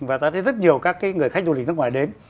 và ta thấy rất nhiều các cái người khách du lịch nước ngoài đến